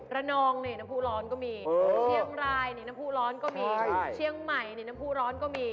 นองนี่น้ำผู้ร้อนก็มีเชียงรายนี่น้ำผู้ร้อนก็มีเชียงใหม่นี่น้ำผู้ร้อนก็มี